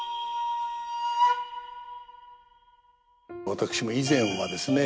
私も以前はですね